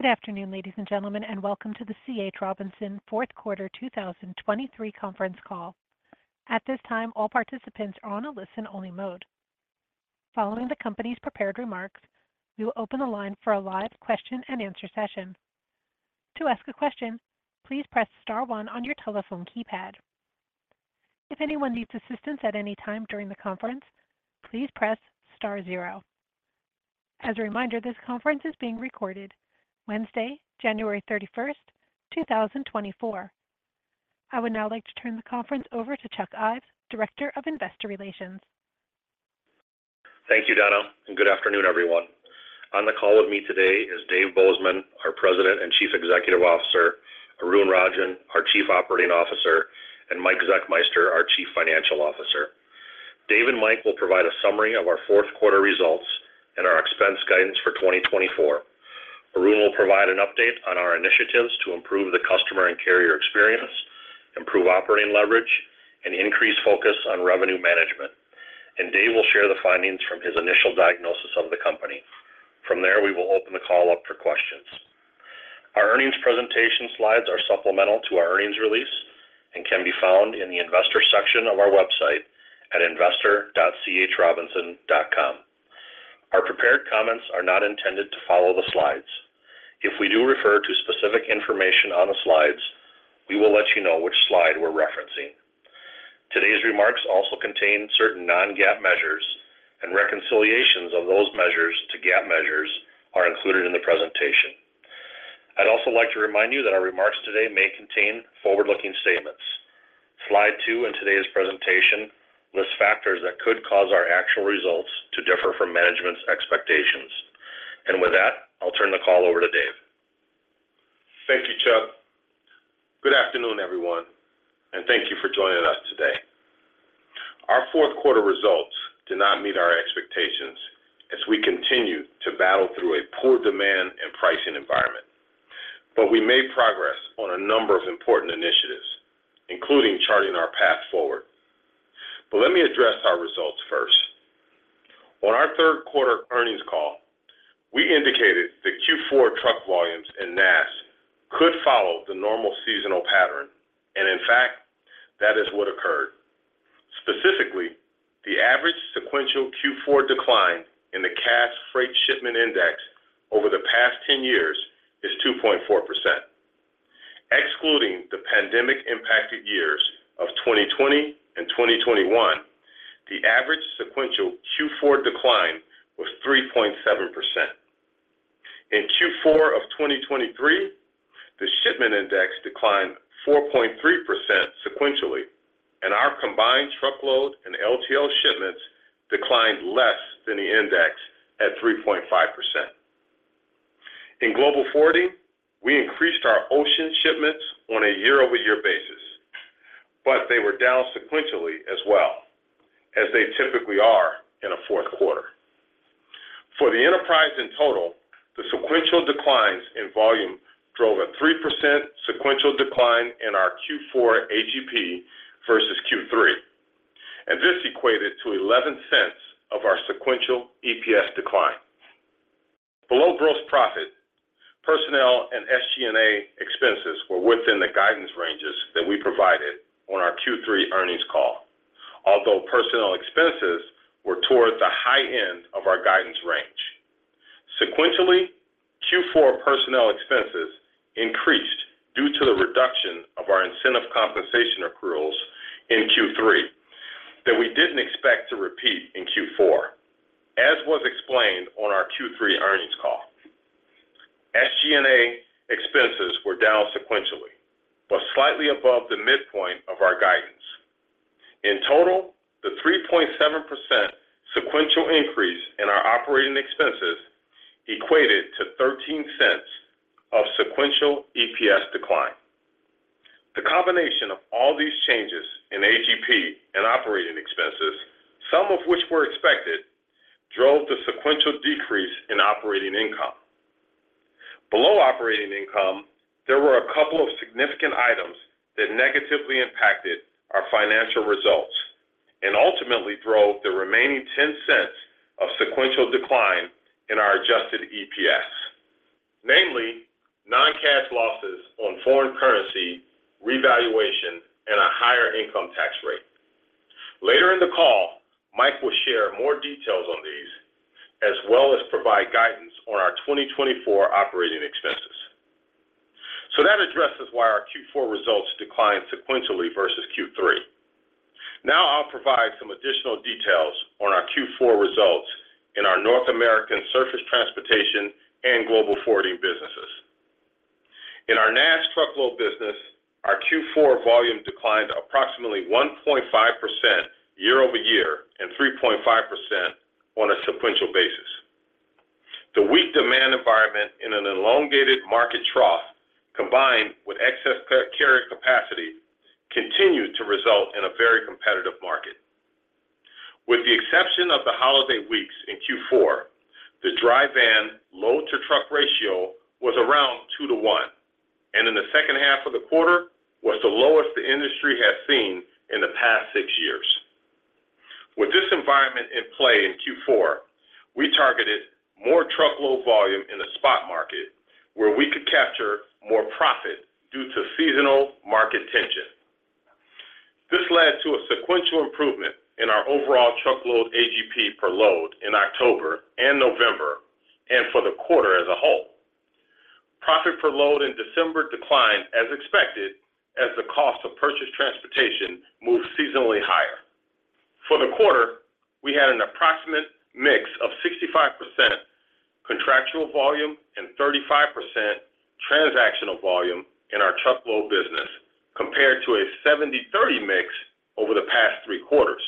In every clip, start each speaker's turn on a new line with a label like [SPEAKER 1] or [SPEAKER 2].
[SPEAKER 1] Good afternoon, ladies and gentlemen, and welcome to the C.H. Robinson Fourth Quarter 2023 Conference Call. At this time, all participants are on a listen-only mode. Following the company's prepared remarks, we will open the line for a live question-and-answer session. To ask a question, please press star one on your telephone keypad. If anyone needs assistance at any time during the conference, please press star zero. As a reminder, this conference is being recorded. Wednesday, January 31st, 2024. I would now like to turn the conference over to Chuck Ives, Director of Investor Relations.
[SPEAKER 2] Thank you, Donna, and good afternoon, everyone. On the call with me today is Dave Bozeman, our President and Chief Executive Officer, Arun Rajan, our Chief Operating Officer, and Mike Zechmeister, our Chief Financial Officer. Dave and Mike will provide a summary of our fourth quarter results and our expense guidance for 2024. Arun will provide an update on our initiatives to improve the customer and carrier experience, improve operating leverage, and increase focus on revenue management. Dave will share the findings from his initial diagnosis of the company. From there, we will open the call up for questions. Our earnings presentation slides are supplemental to our earnings release and can be found in the investor section of our website at investor.chrobinson.com. Our prepared comments are not intended to follow the slides. If we do refer to specific information on the slides, we will let you know which slide we're referencing. Today's remarks also contain certain non-GAAP measures, and reconciliations of those measures to GAAP measures are included in the presentation. I'd also like to remind you that our remarks today may contain forward-looking statements. Slide two in today's presentation lists factors that could cause our actual results to differ from management's expectations. With that, I'll turn the call over to Dave.
[SPEAKER 3] Thank you, Chuck. Good afternoon, everyone, and thank you for joining us today. Our Fourth Quarter Results did not meet our expectations as we continue to battle through a poor demand and pricing environment. We made progress on a number of important initiatives, including charting our path forward. Let me address our results first. On our third quarter earnings call, we indicated that Q4 truck volumes in NAST could follow the normal seasonal pattern, and in fact, that is what occurred. Specifically, the average sequential Q4 decline in the Cass Freight Shipment Index over the past 10 years is 2.4%. Excluding the pandemic-impacted years of 2020 and 2021, the average sequential Q4 decline was 3.7%. In Q4 of 2023, the shipment index declined 4.3% sequentially, and our combined truckload and LTL shipments declined less than the index at 3.5%. In Global Forwarding, we increased our ocean shipments on a year-over-year basis, but they were down sequentially as well, as they typically are in a fourth quarter. For the enterprise in total, the sequential declines in volume drove a 3% sequential decline in our Q4 AGP versus Q3, and this equated to $0.11 of our sequential EPS decline. Below gross profit, personnel and SG&A expenses were within the guidance ranges that we provided on our Q3 earnings call, although personnel expenses were toward the high end of our guidance range. Sequentially, Q4 personnel expenses increased due to the reduction of our incentive compensation accruals in Q3 that we didn't expect to repeat in Q4, as was explained on our Q3 earnings call. SG&A expenses were down sequentially, but slightly above the midpoint of our guidance. In total, the 3.7% sequential increase in our operating expenses equated to $0.13 of sequential EPS decline. The combination of all these changes in AGP and operating expenses, some of which were expected, drove the sequential decrease in operating income. Below operating income, there were a couple of significant items that negatively impacted our financial results and ultimately drove the remaining $0.10 of sequential decline in our adjusted EPS. Namely, non-cash losses on foreign currency, revaluation, and a higher income tax rate. Later in the call, Mike will share more details on these, as well as provide guidance on our 2024 operating expenses. So that addresses why our Q4 results declined sequentially versus Q3. Now I'll provide some additional details on our Q4 results in our North American Surface Transportation and Global Forwarding businesses. In our NAST truckload business, our Q4 volume declined approximately 1.5% year-over-year and 3.5% on a sequential basis. The weak demand environment in an elongated market trough, combined with excess carrier capacity, continued to result in a very competitive market. With the exception of the holiday weeks in Q4, the dry van load-to-truck ratio was around 2:1, and in the second half of the quarter, was the lowest the industry has seen in the past six years environment in play in Q4, we targeted more truckload volume in the spot market, where we could capture more profit due to seasonal market tension. This led to a sequential improvement in our overall truckload AGP per load in October and November, and for the quarter as a whole. Profit per load in December declined as expected, as the cost of purchased transportation moved seasonally higher. For the quarter, we had an approximate mix of 65% contractual volume and 35% transactional volume in our truckload business, compared to a 70/30 mix over the past three quarters.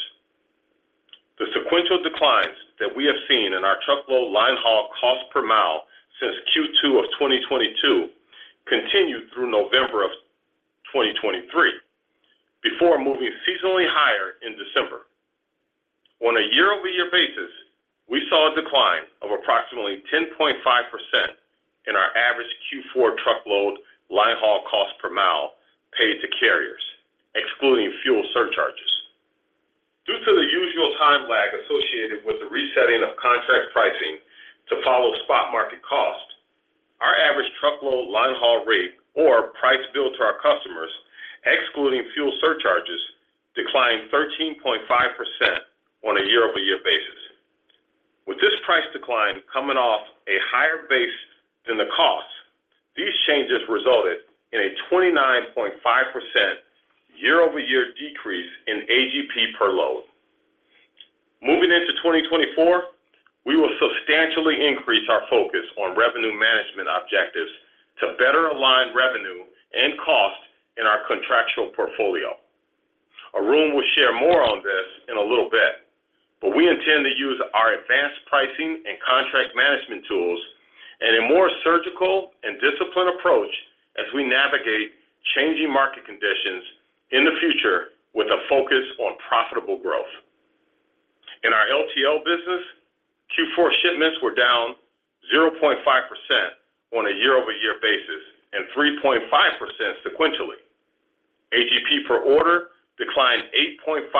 [SPEAKER 3] The sequential declines that we have seen in our truckload line haul cost per mile since Q2 of 2022 continued through November of 2023, before moving seasonally higher in December. On a year-over-year basis, we saw a decline of approximately 10.5% in our average Q4 truckload line haul cost per mile paid to carriers, excluding fuel surcharges. Due to the usual time lag associated with the resetting of contract pricing to follow spot market cost, our average truckload line haul rate or price billed to our customers, excluding fuel surcharges, declined 13.5% on a year-over-year basis. With this price decline coming off a higher base than the cost, these changes resulted in a 29.5% year-over-year decrease in AGP per load. Moving into 2024, we will substantially increase our focus on revenue management objectives to better align revenue and cost in our contractual portfolio. Arun will share more on this in a little bit, but we intend to use our advanced pricing and contract management tools and a more surgical and disciplined approach as we navigate changing market conditions in the future with a focus on profitable growth. In our LTL business, Q4 shipments were down 0.5% on a year-over-year basis and 3.5% sequentially. AGP per order declined 8.5%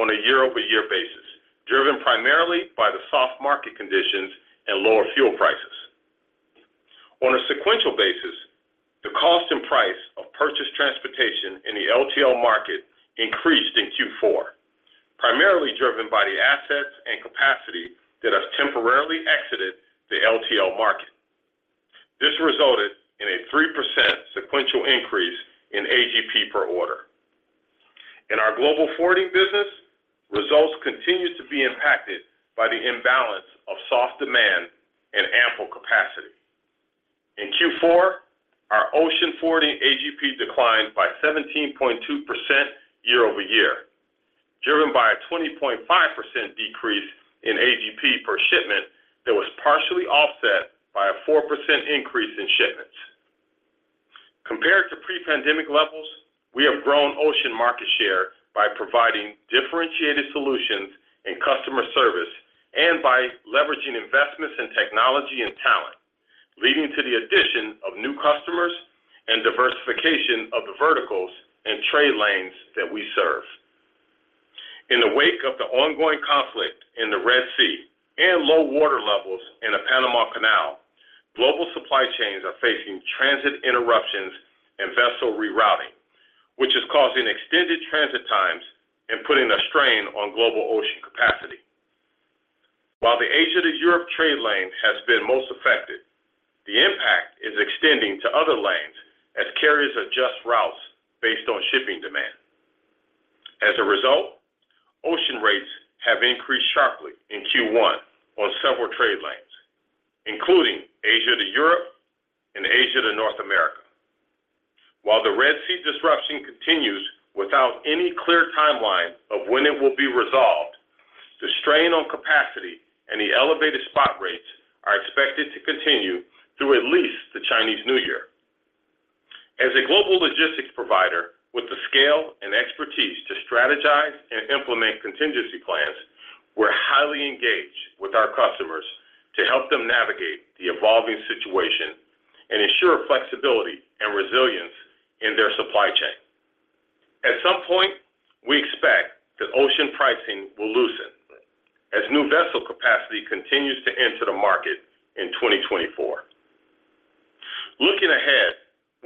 [SPEAKER 3] on a year-over-year basis, driven primarily by the soft market conditions and lower fuel prices. On a sequential basis, the cost and price of purchased transportation in the LTL market increased in Q4, primarily driven by the assets and capacity that have temporarily exited the LTL market. This resulted in a 3% sequential increase in AGP per order. In our Global Forwarding business, results continued to be impacted by the imbalance of soft demand and ample capacity. In Q4, our ocean forwarding AGP declined by 17.2% year-over-year, driven by a 20.5% decrease in AGP per shipment that was partially offset by a 4% increase in shipments. Compared to pre-pandemic levels, we have grown ocean market share by providing differentiated solutions and customer service, and by leveraging investments in technology and talent, leading to the addition of new customers and diversification of the verticals and trade lanes that we serve. In the wake of the ongoing conflict in the Red Sea and low water levels in the Panama Canal, global supply chains are facing transit interruptions and vessel rerouting, which is causing extended transit times and putting a strain on global ocean capacity. While the Asia to Europe trade lane has been most affected, the impact is extending to other lanes as carriers adjust routes based on shipping demand. As a result, ocean rates have increased sharply in Q1 on several trade lanes, including Asia to Europe and Asia to North America. While the Red Sea disruption continues without any clear timeline of when it will be resolved, the strain on capacity and the elevated spot rates are expected to continue through at least the Chinese New Year. As a global logistics provider with the scale and expertise to strategize and implement contingency plans, we're highly engaged with our customers to help them navigate the evolving situation and ensure flexibility and resilience in their supply chain. At some point, we expect that ocean pricing will loosen as new vessel capacity continues to enter the market in 2024. Looking ahead,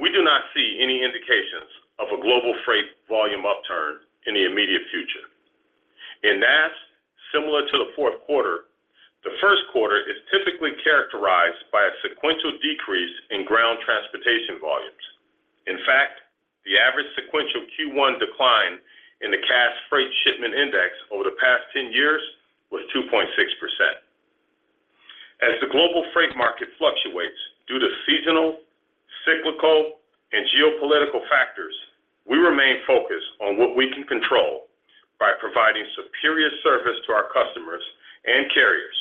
[SPEAKER 3] we do not see any indications of a global freight volume upturn in the immediate future. In NAST, similar to the fourth quarter, the first quarter is typically characterized by a sequential decrease in ground transportation volumes. In fact, the average sequential Q1 decline in the Cass Freight Shipment Index over the past 10 years was 2.6%. As the global freight market fluctuates due to seasonal, cyclical, and geopolitical factors, we remain focused on what we can control by providing superior service to our customers and carriers,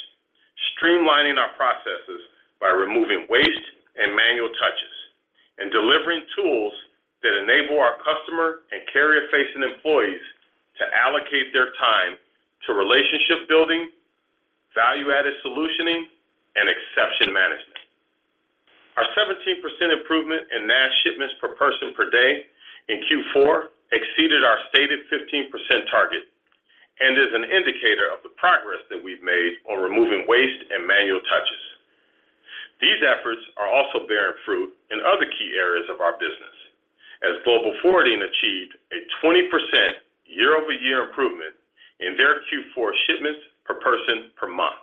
[SPEAKER 3] streamlining our processes by removing waste and manual touches, and delivering tools that enable our customer and carrier-facing employees to allocate their time to relationship building, value-added solutioning per day in Q4 exceeded our stated 15% target and is an indicator of the progress that we've made on removing waste and manual touches. These efforts are also bearing fruit in other key areas of our business, as Global Forwarding achieved a 20% year-over-year improvement in their Q4 shipments per person per month.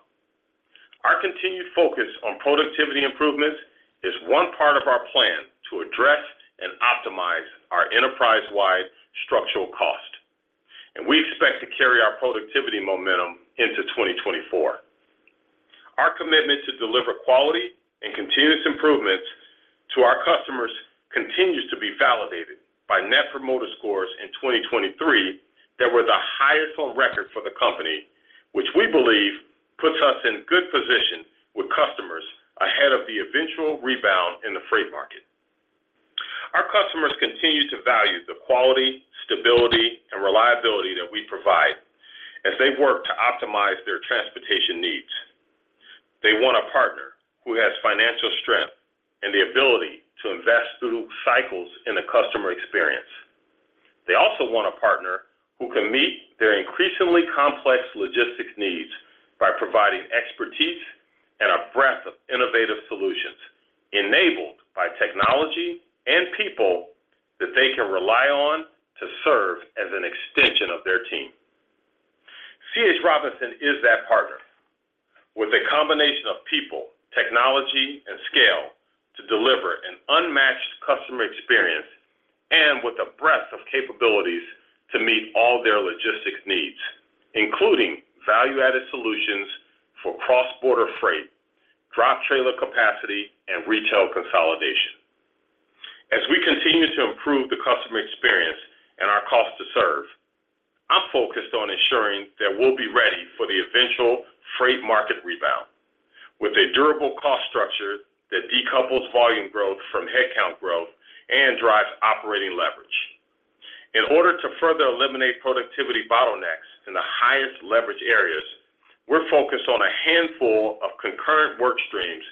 [SPEAKER 3] Our continued focus on productivity improvements is one part of our plan to address and optimize our enterprise-wide structural cost, and we expect to carry our productivity momentum into 2024. Our commitment to deliver quality and continuous improvements to our customers continues to be validated by Net Promoter Scores in 2023 that were the highest on record for the company, which we believe puts us in good position with customers ahead of the eventual rebound in the freight market. Our customers continue to value the quality, stability, and reliability that we provide as they work to optimize their transportation needs. They want a partner who has financial strength and the ability to invest through cycles in the customer experience. They also want a partner who can meet their increasingly complex logistics needs by providing expertise and a breadth of innovative solutions, enabled by technology and people that they can rely on to serve as an extension of their team. C.H. Robinson is that partner. With a combination of people, technology, and scale to deliver an unmatched customer experience, and with a breadth of capabilities to meet all their logistics needs, including value-added solutions for cross-border freight, drop trailer capacity, and retail consolidation. As we continue to improve the customer experience and our cost to serve, I'm focused on ensuring that we'll be ready for the eventual freight market rebound with a durable cost structure that decouples volume growth from headcount growth and drives operating leverage. In order to further eliminate productivity bottlenecks in the highest leverage areas, we're focused on a handful of concurrent work streams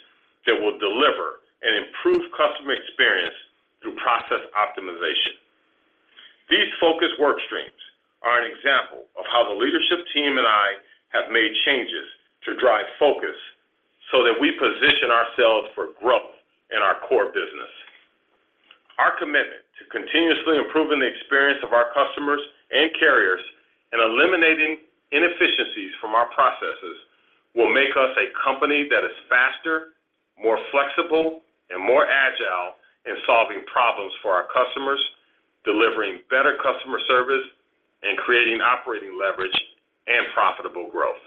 [SPEAKER 3] that will deliver and improve customer experience through process optimization. These focus work streams are an example of how the leadership team and I have made changes to drive focus so that we position ourselves for growth in our core business. Our commitment to continuously improving the experience of our customers and carriers, and eliminating inefficiencies from our processes, will make us a company that is faster, more flexible, and more agile in solving problems for our customers, delivering better customer service, and creating operating leverage and profitable growth.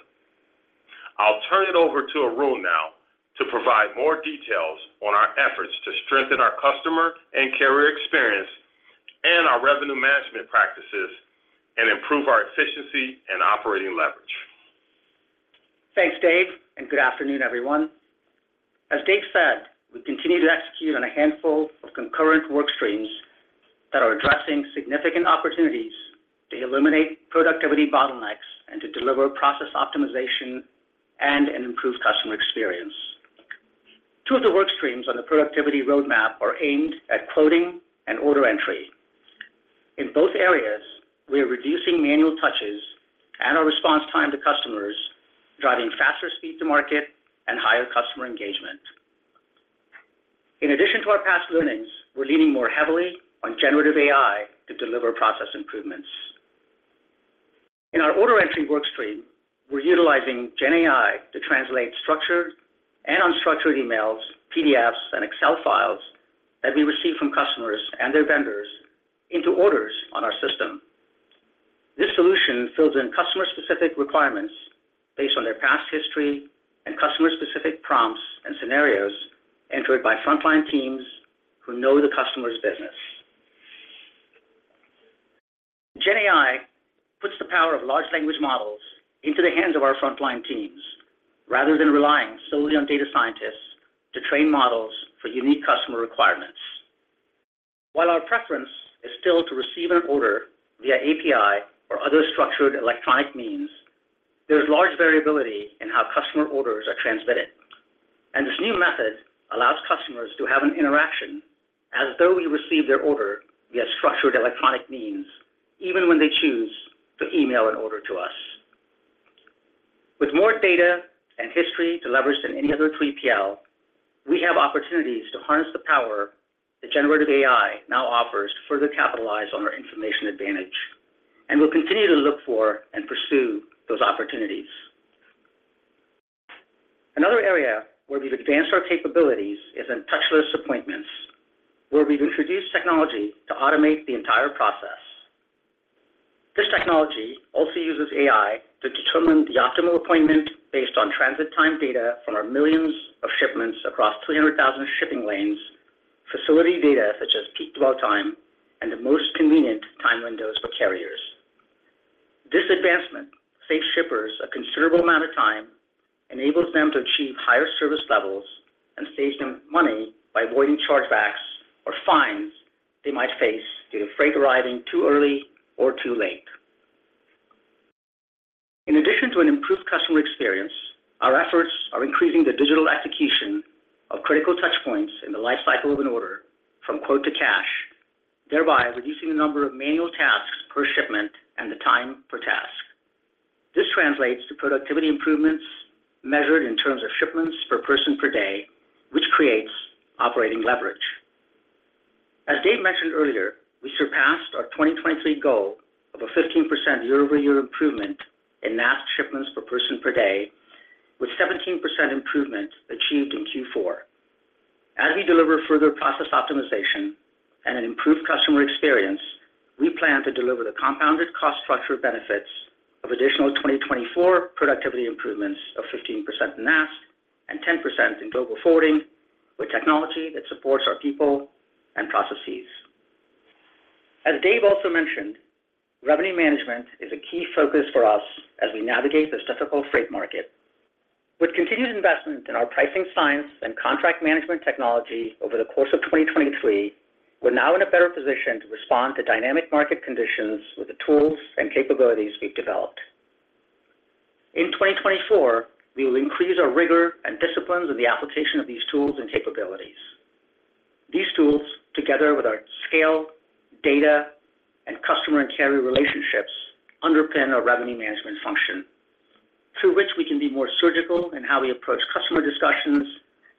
[SPEAKER 3] I'll turn it over to Arun now to provide more details on our efforts to strengthen our customer and carrier experience, and our revenue management practices, and improve our efficiency and operating leverage.
[SPEAKER 4] Thanks, Dave, and good afternoon, everyone. As Dave said, we continue to execute on a handful of concurrent work streams that are addressing significant opportunities to eliminate productivity bottlenecks and to deliver process optimization and an improved customer experience. Two of the work streams on the productivity roadmap are aimed at quoting and order entry. In both areas, we are reducing manual touches and our response time to customers, driving faster speed to market and higher customer engagement. In addition to our past learnings, we're leaning more heavily on Generative AI to deliver process improvements. In our order entry work stream, we're utilizing GenAI to translate structured and unstructured emails, PDFs, and Excel files that we receive from customers and their vendors into orders on our system. This solution fills in customer-specific requirements based on their past history and customer-specific prompts and scenarios entered by frontline teams who know the customer's business. GenAI puts the power of large language models into the hands of our frontline teams, rather than relying solely on data scientists to train models for unique customer requirements. While our preference is still to receive an order via API or other structured electronic means, there is large variability in how customer orders are transmitted. This new method allows customers to have an interaction as though we received their order via structured electronic means, even when they choose to email an order to us. With more data and history to leverage than any other 3PL, we have opportunities to harness the power that Generative AI now offers to further capitalize on our information advantage, and we'll continue to look for and pursue those opportunities. Another area where we've advanced our capabilities is in touchless appointments, where we've introduced technology to automate the entire process. This technology also uses AI to determine the optimal appointment based on transit time data from our millions of shipments across 200,000 shipping lanes, facility data such as peak load time, and the most convenient time windows for carriers. This advancement saves shippers a considerable amount of time, enables them to achieve higher service levels, and saves them money by avoiding chargebacks or fines they might face due to freight arriving too early or too late In addition to an improved customer experience, our efforts are increasing the digital execution of critical touch points in the life cycle of an order from quote to cash, thereby reducing the number of manual tasks per shipment and the time per task. This translates to productivity improvements measured in terms of shipments per person per day, which creates operating leverage. As Dave mentioned earlier, we surpassed our 2023 goal of a 15% year-over-year improvement in NAST shipments per person per day, with 17% improvement achieved in Q4. As we deliver further process optimization and an improved customer experience, we plan to deliver the compounded cost structure benefits of additional 2024 productivity improvements of 15% in NAST and 10% in Global Forwarding, with technology that supports our people and processes. As Dave also mentioned, revenue management is a key focus for us as we navigate this difficult freight market. With continued investment in our pricing science and contract management technology over the course of 2023, we're now in a better position to respond to dynamic market conditions with the tools and capabilities we've developed. In 2024, we will increase our rigor and disciplines in the application of these tools and capabilities. These tools, together with our scale, data, and customer and carrier relationships, underpin our revenue management function, through which we can be more surgical in how we approach customer discussions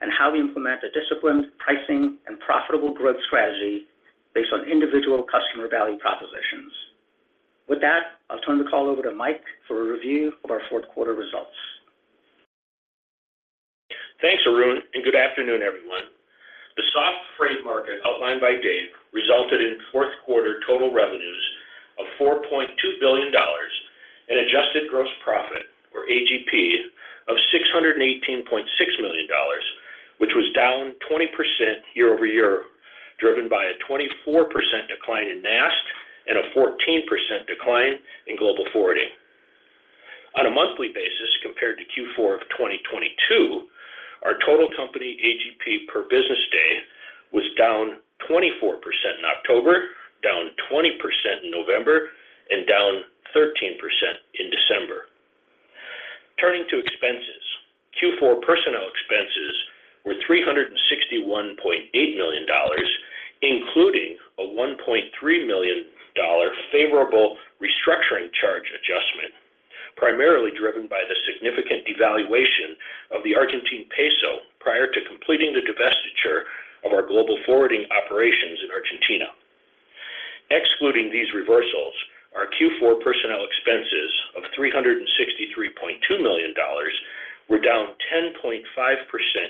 [SPEAKER 4] and how we implement a disciplined pricing and profitable growth strategy based on individual customer value propositions. With that, I'll turn the call over to Mike for a review of our fourth quarter results.
[SPEAKER 5] Thanks, Arun, and good afternoon, everyone. The soft freight market outlined by Dave resulted in fourth quarter total revenues of $4.2 billion and adjusted gross profit, or AGP, of $618.6 million, which was down 20% year-over-year, driven by a 24% decline in NAST and a 14% decline in Global Forwarding. On a monthly basis, compared to Q4 of 2022, our total company AGP per business day was down 24% in October, down 20% in November, and down 13% in December. Turning to expenses, Q4 personnel expenses were $361.8 million, including a $1.3 million favorable restructuring charge adjustment, primarily driven by the significant devaluation of the Argentine peso prior to completing the divestiture of our Global Forwarding operations in Argentina. Excluding these reversals, our Q4 personnel expenses of $363.2 million were down 10.5%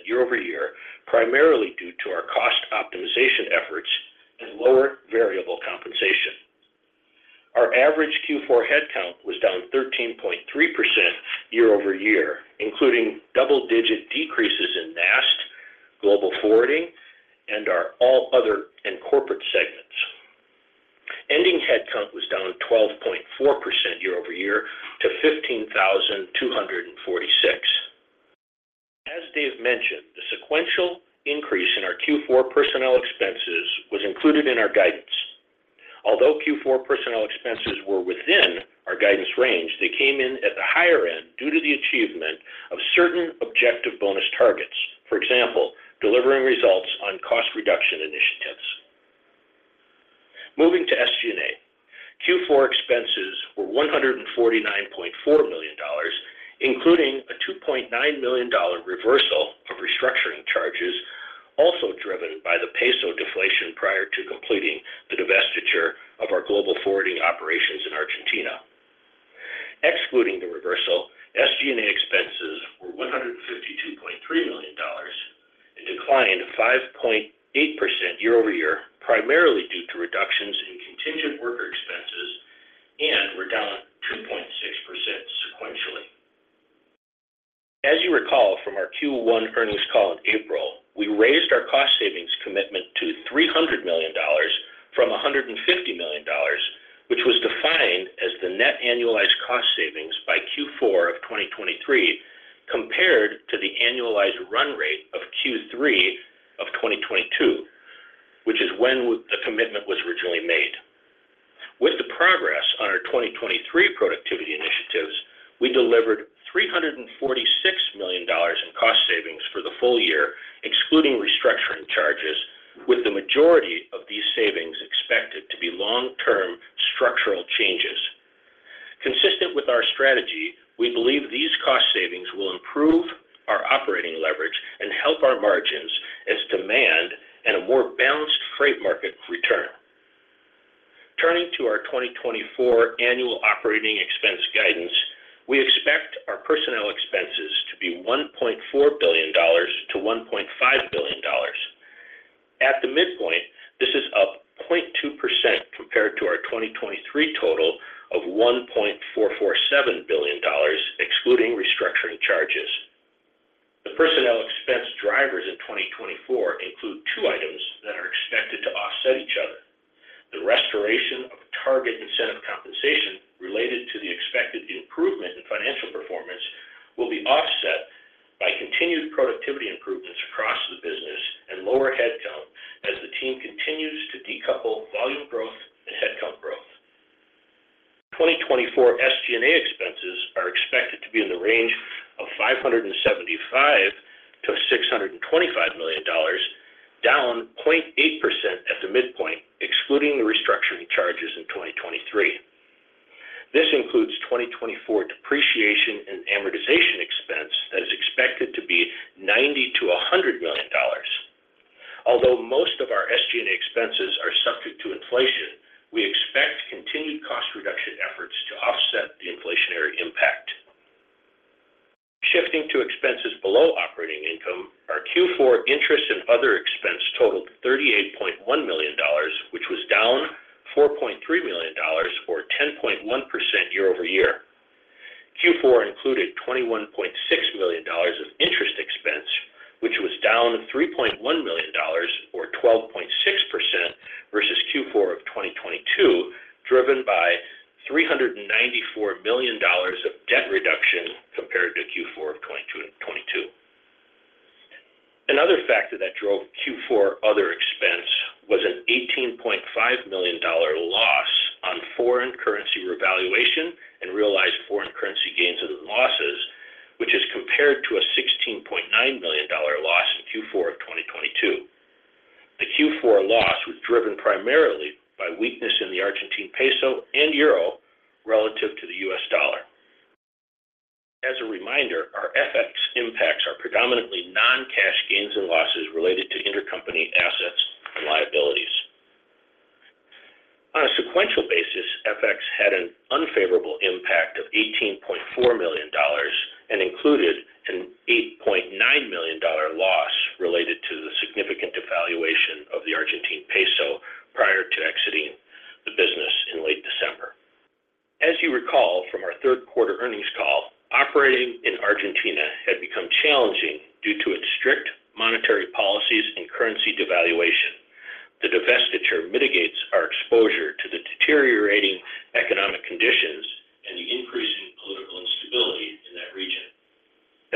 [SPEAKER 5] year-over-year, primarily due to our cost optimization efforts and lower variable compensation. Our average Q4 headcount was down 13.3% year-over-year, including double-digit decreases in NAST, Global Forwarding, and our All Other and Corporate segments. Ending headcount was down 12.4% year-over-year to 15,246. As Dave mentioned, the sequential increase in our Q4 personnel expenses was included in our guidance. Although Q4 personnel expenses were within our guidance range, they came in at the higher end due to the achievement of certain objective bonus targets. For example, delivering results on cost reduction initiatives. Moving to SG&A. Q4 expenses were $149.4 million, including a $2.9 million reversal of restructuring charges, also driven by the peso deflation prior to completing the divestiture of our Global Forwarding operations in Argentina. Excluding the reversal, SG&A expenses were $152.3 million, a decline of 5.8% year-over-year, primarily due to reductions in contingent worker expenses and were down 2.6% sequentially. As you recall from our Q1 earnings call in April, we raised our cost savings commitment to $300 million from $150 million, which was defined as the net annualized cost savings by Q4 of 2023, compared to the annualized run rate of Q3 of 2022, which is when the commitment was originally made. With the progress on our 2023 productivity initiatives, we delivered $346 million in cost savings for the full year, excluding restructuring charges, with the majority of these savings expected to be long-term structural changes. Consistent with our strategy, we believe these cost savings will improve our operating leverage and help our margins as demand and a more balanced freight market return. Turning to our 2024 annual operating expense guidance, we expect our personnel expenses to be $1.4 billion-$1.5 billion. At the midpoint, this is up 0.2% compared to our 2023 total of $1.447 billion, excluding restructuring charges. The personnel expense drivers in 2024 include two items that are expected to offset each other: the restoration of target incentive compensation related to the expected improvement in financial performance-... will be offset by continued productivity improvements across the business and lower headcount as the team continues to decouple volume growth and headcount growth. 2024 SG&A expenses are expected to be in the range of $575 million-$625 million, down 0.8% at the midpoint, excluding the restructuring charges in 2023. This includes 2024 depreciation and amortization expense that is expected to be $90 million-$100 million. Although most of our SG&A expenses are subject to inflation, we expect continued cost reduction efforts to offset the inflationary impact. Shifting to expenses below operating income, our Q4 interest and other expense totaled $38.1 million, which was down $4.3 million, or 10.1% year-over-year. Q4 included $21.6 million of interest expense, which was down $3.1 million, or 12.6%, versus Q4 of 2022, driven by $394 million of debt reduction compared to Q4 of 2022. Another factor that drove Q4 other expense was an $18.5 million loss on foreign currency revaluation and realized foreign currency gains and losses, which is compared to a $16.9 million loss in Q4 of 2022. The Q4 loss was driven primarily by weakness in the Argentine peso and euro relative to the U.S. dollar. As a reminder, our FX impacts are predominantly non-cash gains and losses related to intercompany assets and liabilities. On a sequential basis, FX had an unfavorable impact of $18.4 million and included an $8.9 million loss related to the significant devaluation of the Argentine peso prior to exiting the business in late December. As you recall from our Third Quarter Earnings Call, operating in Argentina had become challenging due to its strict monetary policies and currency devaluation. The divestiture mitigates our exposure to the deteriorating economic conditions and the increasing political instability in that region.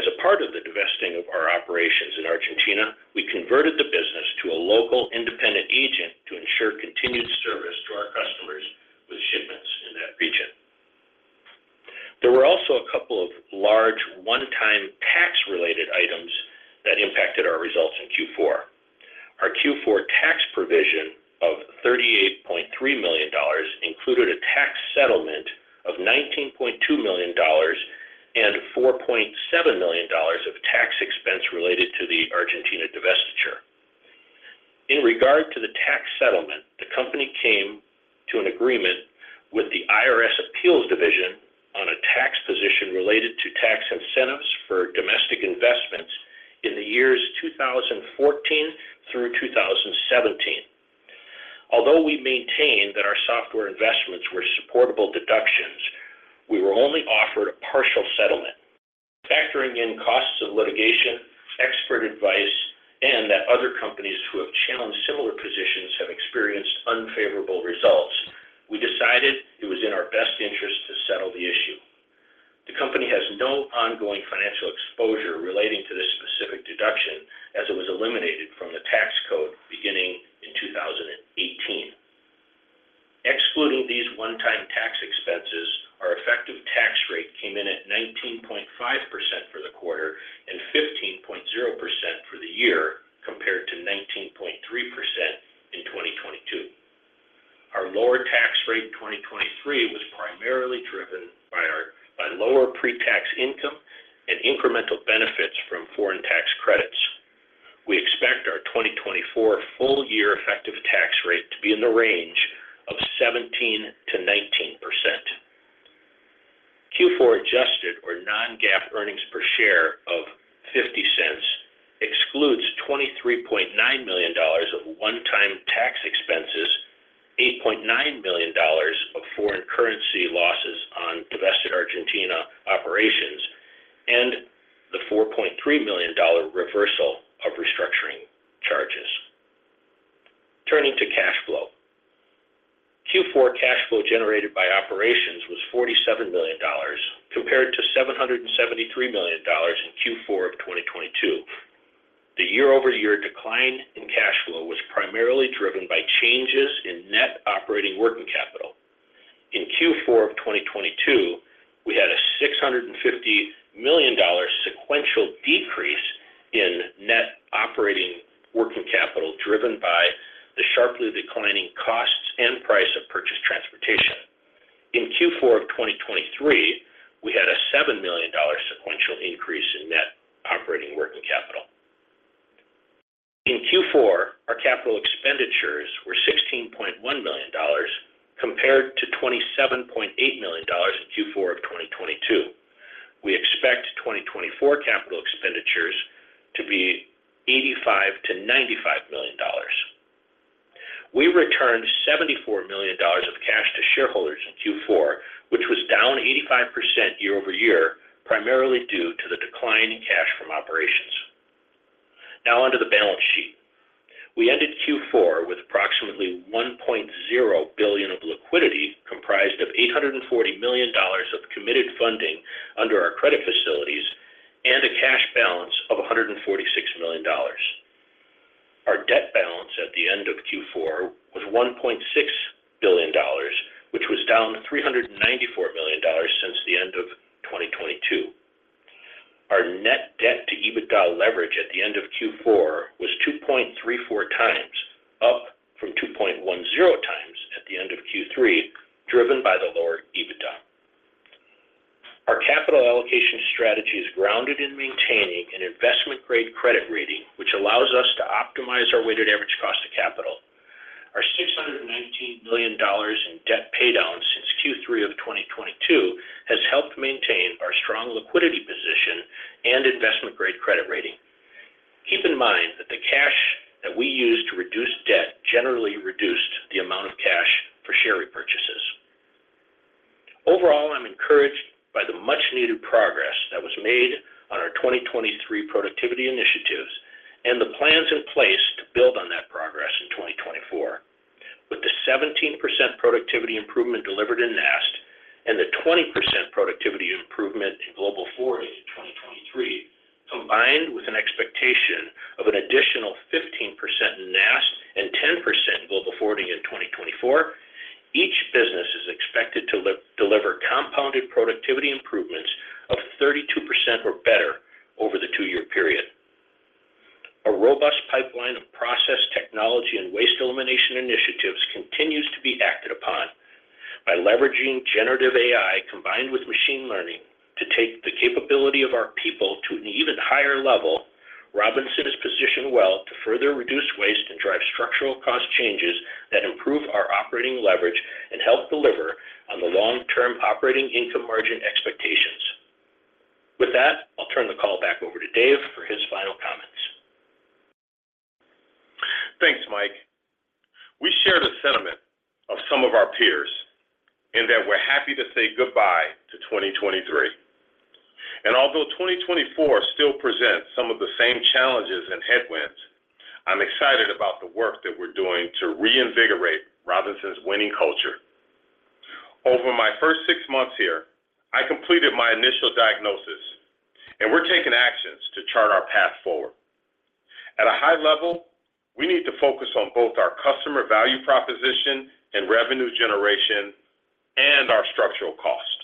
[SPEAKER 5] As a part of the divesting of our operations in Argentina, we converted the business to a local independent agent to ensure continued service to our customers with shipments in that region. There were also a couple of large one-time tax-related items that impacted our results in Q4. Our Q4 tax provision of $38.3 million included a tax settlement of $19.2 million and $4.7 million of tax expense related to the Argentina divestiture. In regard to the tax settlement, the company came to an agreement with the IRS Appeals division on a tax position related to tax incentives for domestic investments in the years 2014 through 2017. Although we maintained that our software investments were supportable deductions, we were only offered a partial settlement. Factoring in costs of litigation, expert advice, and that other companies who have challenged similar positions have experienced unfavorable results, we decided it was in our best interest to settle the issue. The company has no ongoing financial exposure relating to this specific deduction, as it was eliminated from the tax code beginning in 2018. Excluding these one-time tax expenses, our effective tax rate came in at 19.5% for the quarter and 15.0% for the year, compared to 19.3% in 2022. Our lower tax rate in 2023 was primarily driven by lower pre-tax income and incremental benefits from foreign tax credits. We expect our 2024 full year effective tax rate to be in the range of 17%-19%. Q4 adjusted or non-GAAP earnings per share of $0.50 excludes $23.9 million of one-time tax expenses, $8.9 million of foreign currency losses on divested Argentina operations, and the $4.3 million dollar reversal of restructuring charges. Turning to cash flow. Q4 cash flow generated by operations was $47 million, compared to $773 million in Q4 of 2022. The year-over-year decline in cash flow was primarily driven by changes in net operating working capital. In Q4 of 2022, we had a $650 million sequential decrease in net operating working capital, driven by the sharply declining costs and price of purchased transportation. In Q4 of 2023, we had a $7 million sequential increase in net operating working capital. In Q4, our capital expenditures were $16.1 million, compared to $27.8 million in Q4 of 2022. We expect 2024 capital expenditures to be $85-$95 million. We returned $74 million of cash to shareholders in Q4, which was down 85% year-over-year, primarily due to the decline in cash from operations. Now, on to the balance sheet. We ended liquidity comprised of $840 million of committed funding under our credit facilities and a cash balance of $146 million. Our debt balance at the end of Q4 was $1.6 billion, which was down $394 million since the end of 2022. Our net debt to EBITDA leverage at the end of Q4 was 2.34 times, up from 2.10 times at the end of Q3, driven by the lower EBITDA. Our capital allocation strategy is grounded in maintaining an investment-grade credit rating, which allows us to optimize our weighted average cost of capital. Our $619 million in debt paydown since Q3 of 2022 has helped maintain our strong liquidity position and investment-grade credit rating. Keep in mind that the cash that we use to reduce debt generally reduced the amount of cash for share repurchases. Overall, I'm encouraged by the much-needed progress that was made on our 2023 productivity initiatives and the plans in place to build on that progress in 2024. With the 17% productivity improvement delivered in NAST, and the 20% productivity improvement in Global Forwarding in 2023, combined with an expectation of an additional 15% in NAST and 10% in Global Forwarding in 2024, each business is expected to deliver compounded productivity improvements of 32% or better over the two-year period. A robust pipeline of process, technology, and waste elimination initiatives continues to be acted upon. By leveraging Generative AI, combined with machine learning, to take the capability of our people to an even higher level, Robinson is positioned well to further reduce waste and drive structural cost changes that improve our operating leverage and help deliver on the long-term operating income margin expectations. With that, I'll turn the call back over to Dave for his final comments.
[SPEAKER 3] Thanks, Mike. We share the sentiment of some of our peers in that we're happy to say goodbye to 2023. Although 2024 still presents some of the same challenges and headwinds, I'm excited about the work that we're doing to reinvigorate Robinson's winning culture. Over my first six months here, I completed my initial diagnosis, and we're taking actions to chart our path forward. At a high level, we need to focus on both our customer value proposition and revenue generation and our structural cost,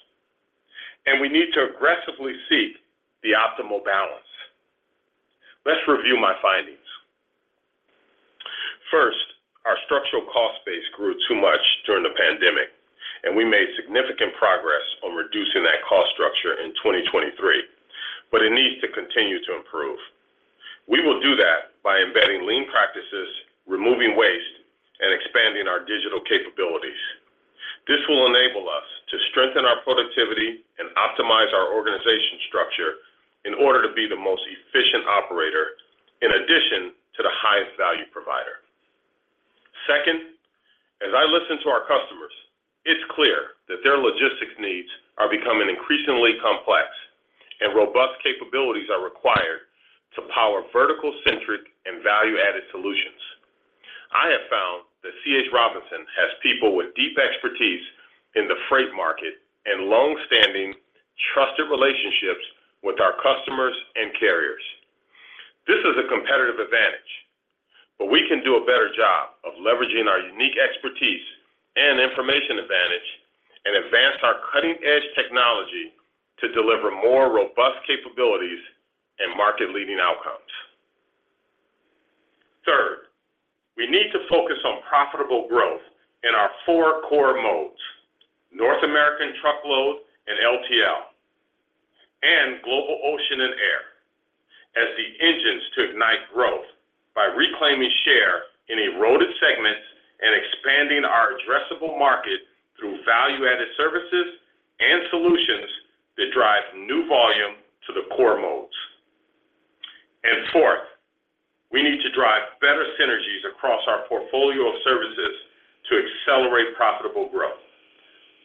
[SPEAKER 3] and we need to aggressively seek the optimal balance. Let's review my findings. First, our structural cost base grew too much during the pandemic, and we made significant progress on reducing that cost structure in 2023, but it needs to continue to improve. We will do that by embedding Lean practices, removing waste, and expanding our digital capabilities. This will enable us to strengthen our productivity and optimize our organization structure in order to be the most efficient operator, in addition to the highest value provider. Second, as I listen to our customers, it's clear that their logistics needs are becoming increasingly complex, and robust capabilities are required to power vertical-centric and value-added solutions. I have found that C.H. Robinson has people with deep expertise in the freight market and long-standing, trusted relationships with our customers and carriers. This is a competitive advantage, but we can do a better job of leveraging our unique expertise and information advantage and advance our cutting-edge technology to deliver more robust capabilities and market-leading outcomes. Third, we need to focus on profitable growth in our four core modes: North American truckload and LTL, and global ocean and air, as the engines to ignite growth by reclaiming share in eroded segments and expanding our addressable market through value-added services and solutions that drive new volume to the core modes. Fourth, we need to drive better synergies across our portfolio of services to accelerate profitable growth.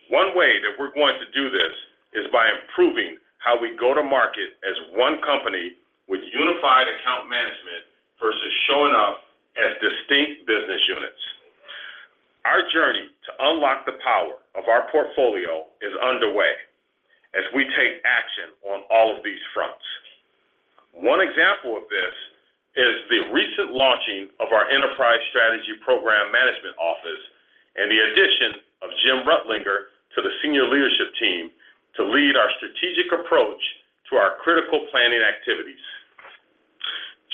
[SPEAKER 3] One way that we're going to do this is by improving how we go to market as one company with unified account management versus showing up as distinct business units. Our journey to unlock the power of our portfolio is underway as we take action on all of these fronts. One example of this is the recent launching of our Enterprise Strategy Program Management Office and the addition of Jim Reutlinger to the senior leadership team to lead our strategic approach to our critical planning activities.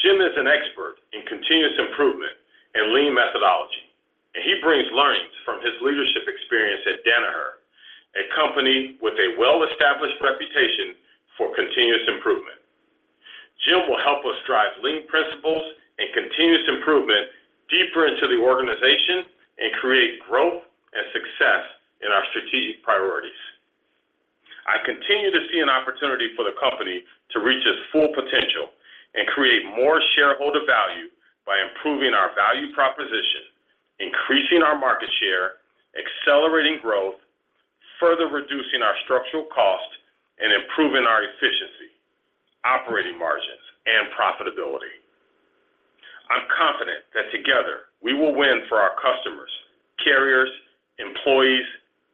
[SPEAKER 3] Jim is an expert in continuous improvement and lean methodology, and he brings learnings from his leadership experience at Danaher, a company with a well-established reputation for continuous improvement. Jim will help us drive lean principles and continuous improvement deeper into the organization and create growth and success in our strategic priorities. I continue to see an opportunity for the company to reach its full potential and create more shareholder value by improving our value proposition, increasing our market share, accelerating growth, further reducing our structural cost, and improving our efficiency and profitability. I'm confident that together we will win for our customers, carriers, employees,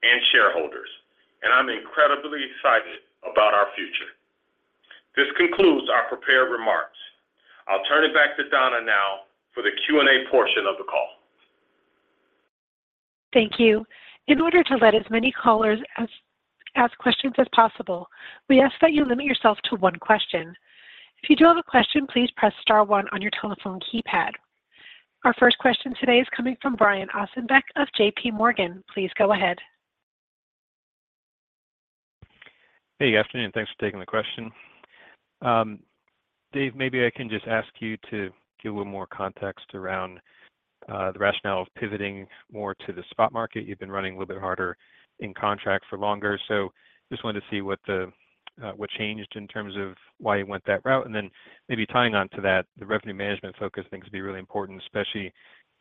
[SPEAKER 3] and shareholders, and I'm incredibly excited about our future. This concludes our prepared remarks. I'll turn it back to Donna now for the Q&A portion of the call.
[SPEAKER 1] Thank you. In order to let as many callers ask questions as possible, we ask that you limit yourself to one question. If you do have a question, please press star one on your telephone keypad. Our first question today is coming from Brian Ossenbeck of J.P. Morgan. Please go ahead.
[SPEAKER 6] Hey, good afternoon. Thanks for taking the question. Dave, maybe I can just ask you to give a little more context around the rationale of pivoting more to the spot market. You've been running a little bit harder in contract for longer, so just wanted to see what changed in terms of why you went that route. And then maybe tying on to that, the revenue management focus things be really important, especially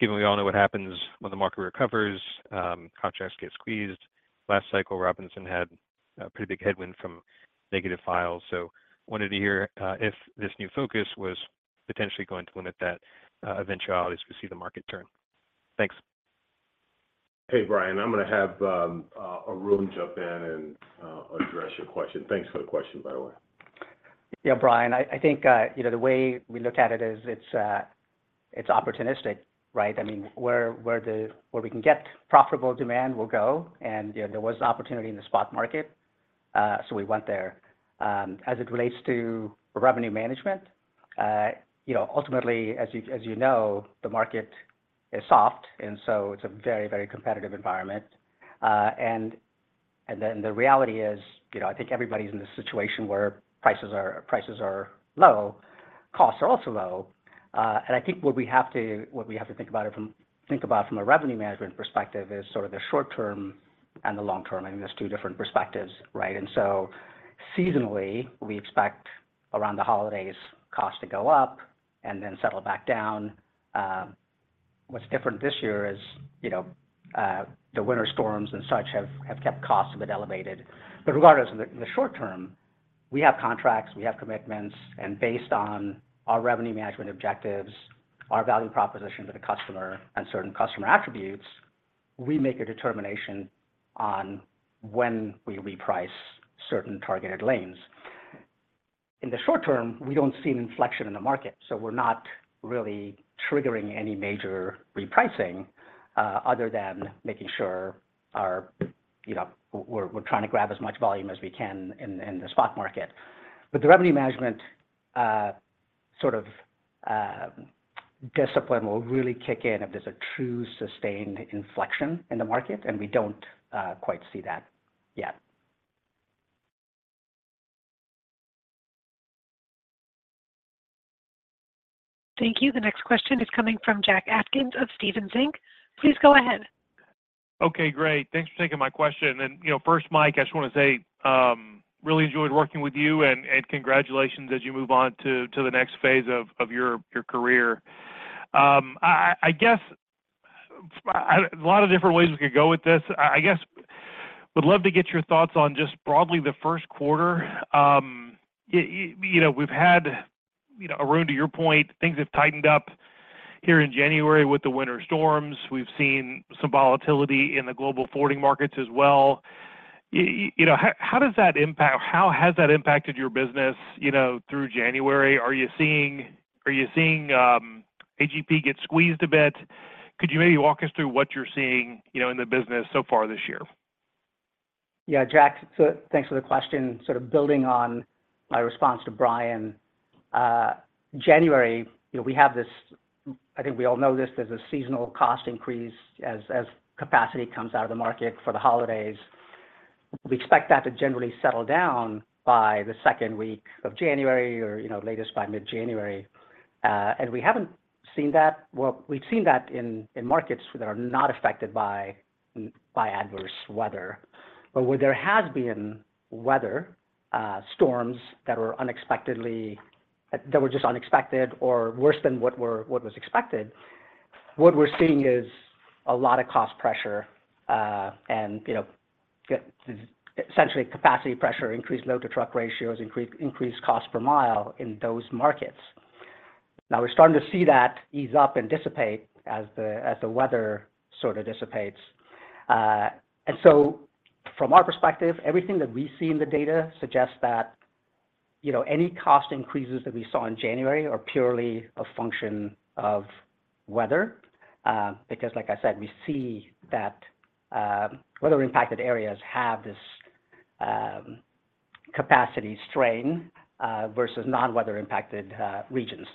[SPEAKER 6] given we all know what happens when the market recovers, contracts get squeezed. Last cycle, Robinson had a pretty big headwind from negative files, so wanted to hear if this new focus was potentially going to limit that eventuality as we see the market turn. Thanks.
[SPEAKER 3] Hey, Brian, I'm going to have Arun jump in and address your question. Thanks for the question, by the way.
[SPEAKER 4] Yeah, Brian, I think, you know, the way we look at it is it's opportunistic, right? I mean, where we can get profitable demand, we'll go, and, you know, there was an opportunity in the spot market, so we went there. As it relates to revenue management, you know, ultimately, as you know, the market is soft, and so it's a very, very competitive environment. And then the reality is, you know, I think everybody's in this situation where prices are low, costs are also low. And I think what we have to think about from a revenue management perspective is sort of the short term and the long term. I mean, there's two different perspectives, right? So seasonally, we expect around the holidays, costs to go up and then settle back down. What's different this year is, you know, the winter storms and such have kept costs a bit elevated. But regardless, in the short term, we have contracts, we have commitments, and based on our revenue management objectives, our value proposition to the customer and certain customer attributes, we make a determination on when we reprice certain targeted lanes. In the short term, we don't see an inflection in the market, so we're not really triggering any major repricing, other than making sure, you know, we're trying to grab as much volume as we can in the spot market. The revenue management, sort of, discipline will really kick in if there's a true sustained inflection in the market, and we don't quite see that yet.
[SPEAKER 1] Thank you. The next question is coming from Jack Atkins of Stephens Inc. Please go ahead.
[SPEAKER 7] Okay, great. Thanks for taking my question. And, you know, first, Mike, I just want to say, really enjoyed working with you, and congratulations as you move on to the next phase of your career. I guess a lot of different ways we could go with this. I guess would love to get your thoughts on just broadly the first quarter. You know, we've had, you know, Arun, to your point, things have tightened up here in January with the winter storms. We've seen some volatility in the Global Forwarding markets as well. You know, how has that impacted your business through January? Are you seeing AGP get squeezed a bit? Could you maybe walk us through what you're seeing, you know, in the business so far this year?
[SPEAKER 4] Yeah, Jack, so thanks for the question. Sort of building on my response to Brian. January, you know, we have this, I think we all know this, there's a seasonal cost increase as capacity comes out of the market for the holidays. We expect that to generally settle down by the second week of January or, you know, latest by mid-January. And we haven't seen that. Well, we've seen that in markets that are not affected by adverse weather. But where there has been weather, storms that were unexpectedly that were just unexpected or worse than what was expected, what we're seeing is a lot of cost pressure, and, you know, essentially, capacity pressure, increased load to truck ratios, increased cost per mile in those markets. Now, we're starting to see that ease up and dissipate as the, as the weather sort of dissipates. And so from our perspective, everything that we see in the data suggests that, you know, any cost increases that we saw in January are purely a function of weather, because like I said, we see that weather impacted areas have this capacity strain versus non-weather impacted regions.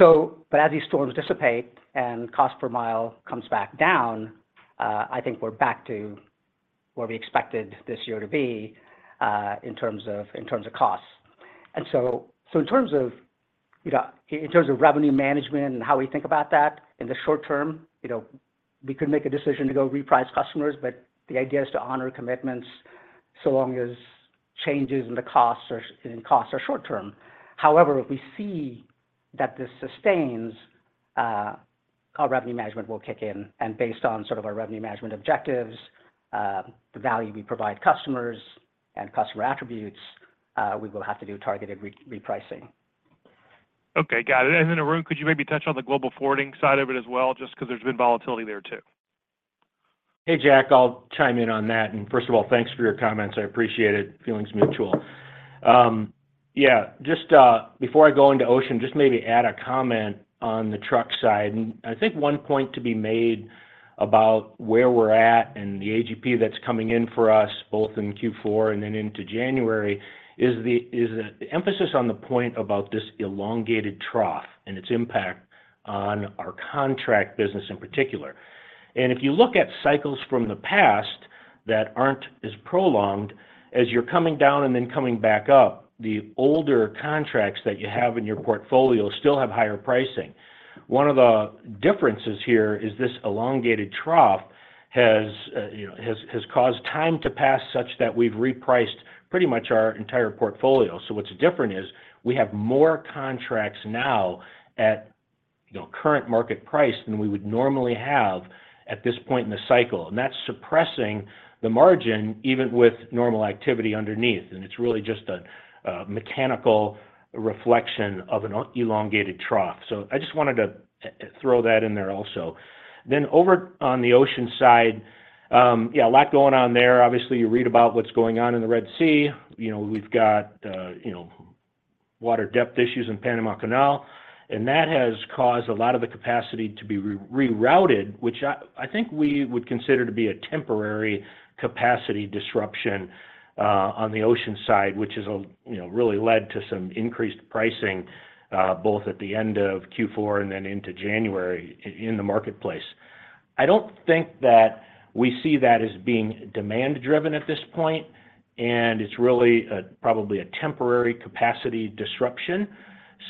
[SPEAKER 4] So, but as these storms dissipate and cost per mile comes back down, I think we're back to where we expected this year to be in terms of, in terms of costs. So in terms of, you know, in terms of revenue management and how we think about that, in the short term, you know, we could make a decision to go reprice customers, but the idea is to honor commitments so long as changes in the costs are in costs are short term. However, if we see that this sustains, our revenue management will kick in, and based on sort of our revenue management objectives, the value we provide customers and customer attributes, we will have to do targeted repricing.
[SPEAKER 7] Okay, got it. And then, Arun, could you maybe touch on the Global Forwarding side of it as well, just 'cause there's been volatility there too?
[SPEAKER 5] Hey, Jack, I'll chime in on that. And first of all, thanks for your comments. I appreciate it. Feeling's mutual. Yeah, just before I go into ocean, just maybe add a comment on the truck side. And I think one point to be made about where we're at and the AGP that's coming in for us, both in Q4 and then into January, is the emphasis on the point about this elongated trough and its impact on our contract business in particular. And if you look at cycles from the past that aren't as prolonged, as you're coming down and then coming back up, the older contracts that you have in your portfolio still have higher pricing. One of the differences here is this elongated trough has you know caused time to pass such that we've repriced pretty much our entire portfolio. So what's different is we have more contracts now at, you know, current market price than we would normally have at this point in the cycle, and that's suppressing the margin, even with normal activity underneath, and it's really just a mechanical reflection of an elongated trough. So I just wanted to throw that in there also. Then over on the ocean side, yeah, a lot going on there. Obviously, you read about what's going on in the Red Sea. You know, we've got you know, water depth issues in Panama Canal, and that has caused a lot of the capacity to be rerouted, which I think we would consider to be a temporary capacity disruption on the ocean side, which has you know, really led to some increased pricing both at the end of Q4 and then into January in the marketplace. I don't think that we see that as being demand-driven at this point, and it's really probably a temporary capacity disruption.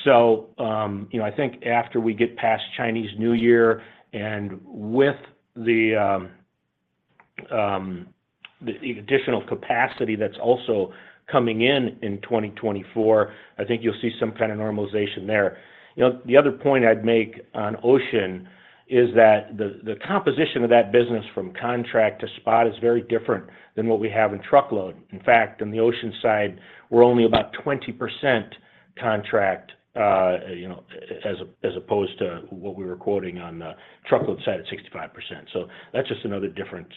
[SPEAKER 5] So, you know, I think after we get past Chinese New Year and with the additional capacity that's also coming in in 2024, I think you'll see some kind of normalization there. You know, the other point I'd make on ocean is that the composition of that business from contract to spot is very different than what we have in truckload. In fact, on the ocean side, we're only about 20% contract, you know, as opposed to what we were quoting on the truckload side at 65%. So that's just another difference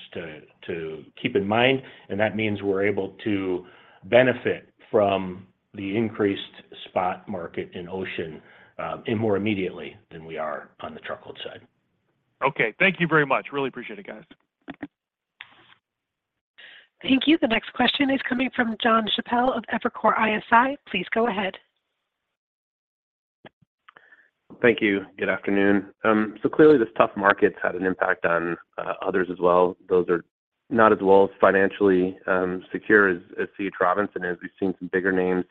[SPEAKER 5] to keep in mind, and that means we're able to benefit from the increased spot market in ocean, and more immediately than we are on the truckload side.
[SPEAKER 7] Okay, thank you very much. Really appreciate it, guys.
[SPEAKER 1] Thank you. The next question is coming from Jon Chappell of Evercore ISI. Please go ahead.
[SPEAKER 8] Thank you. Good afternoon. So clearly, this tough market's had an impact on others as well. Those are not as well as financially secure as C.H. Robinson is. We've seen some bigger names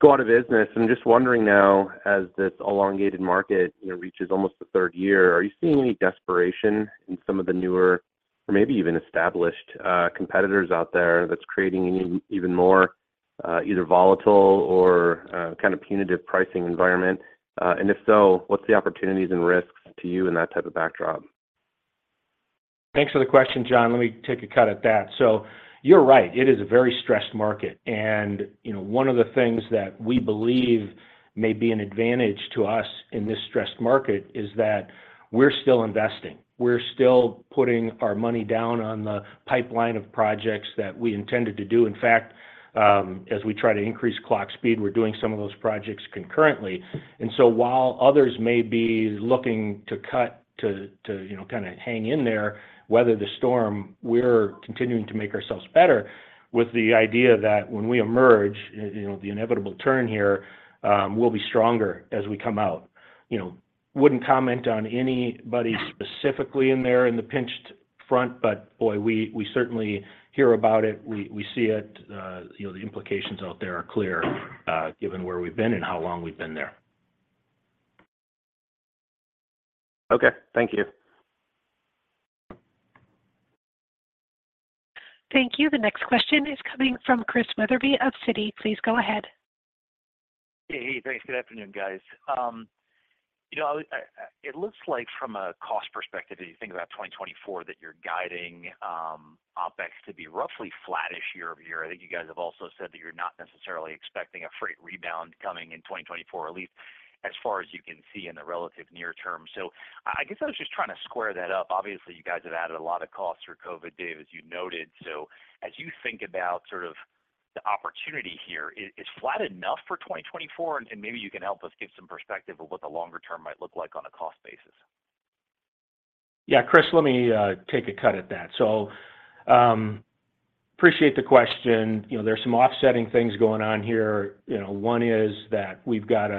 [SPEAKER 8] go out of business. I'm just wondering now, as this elongated market, you know, reaches almost the third year, are you seeing any desperation in some of the newer or maybe even established competitors out there that's creating an even more either volatile or kind of punitive pricing environment? And if so, what's the opportunities and risks to you in that type of backdrop?
[SPEAKER 5] Thanks for the question, John. Let me take a cut at that. So you're right, it is a very stressed market, and, you know, one of the things that we believe may be an advantage to us in this stressed market is that we're still investing. We're still putting our money down on the pipeline of projects that we intended to do. In fact, as we try to increase clock speed, we're doing some of those projects concurrently. And so while others may be looking to cut to, you know, kinda hang in there, weather the storm, we're continuing to make ourselves better with the idea that when we emerge, you know, the inevitable turn here, we'll be stronger as we come out. You know, wouldn't comment on anybody specifically in there in the pinched front, but, boy, we certainly hear about it. We see it. You know, the implications out there are clear, given where we've been and how long we've been there.
[SPEAKER 8] Okay. Thank you.
[SPEAKER 1] Thank you. The next question is coming from Chris Wetherbee of Citi. Please go ahead.
[SPEAKER 9] Hey, hey, thanks. Good afternoon, guys. You know, it looks like from a cost perspective, as you think about 2024, that you're guiding OpEx to be roughly flat-ish year-over-year. I think you guys have also said that you're not necessarily expecting a freight rebound coming in 2024, at least as far as you can see in the relative near term. So I guess I was just trying to square that up. Obviously, you guys have added a lot of costs through COVID, Dave, as you noted. So as you think about sort of the opportunity here, is flat enough for 2024? And maybe you can help us give some perspective of what the longer term might look like on a cost basis.
[SPEAKER 5] Yeah, Chris, let me take a cut at that. So, appreciate the question. You know, there are some offsetting things going on here. You know, one is that we've got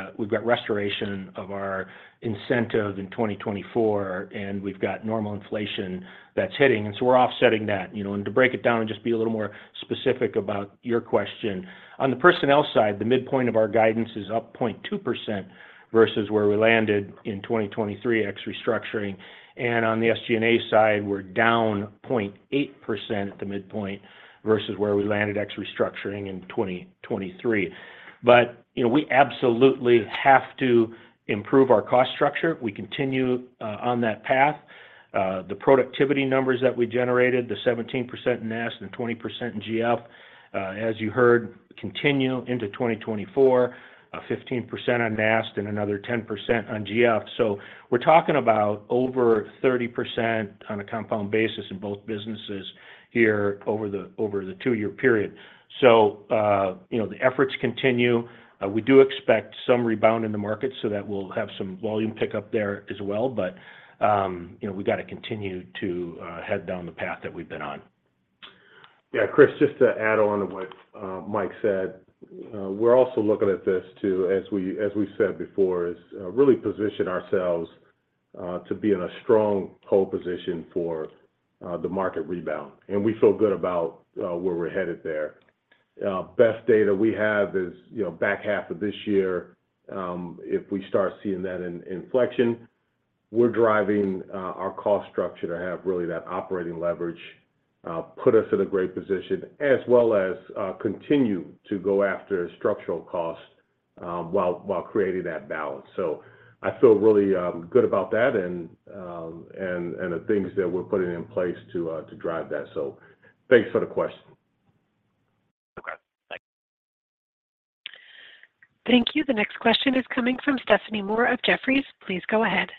[SPEAKER 5] restoration of our incentive in 2024, and we've got normal inflation that's hitting, and so we're offsetting that. You know, and to break it down and just be a little more specific about your question, on the personnel side, the midpoint of our guidance is up 0.2% versus where we landed in 2023 ex restructuring, and on the SG&A side, we're down 0.8% at the midpoint versus where we landed ex restructuring in 2023. But, you know, we absolutely have to improve our cost structure. We continue on that path. The productivity numbers that we generated, the 17% in NAST and 20% in GF, as you heard, continue into 2024, 15% on NAST and another 10% on GF. So we're talking about over 30% on a compound basis in both businesses here over the two-year period. So, you know, the efforts continue. We do expect some rebound in the market, so that will have some volume pickup there as well. But, you know, we got to continue to head down the path that we've been on.
[SPEAKER 3] Yeah, Chris, just to add on to what Mike said, we're also looking at this too, as we said before to really position ourselves to be in a strong pole position for the market rebound. And we feel good about where we're headed there. Best data we have is, you know, back half of this year, if we start seeing that an inflection, we're driving our cost structure to have really that operating leverage put us in a great position, as well as continue to go after structural costs while creating that balance. So I feel really good about that and the things that we're putting in place to drive that. So thanks for the question.
[SPEAKER 9] Okay. Thanks.
[SPEAKER 1] Thank you. The next question is coming from Stephanie Moore of Jefferies. Please go ahead.